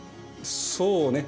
そうね。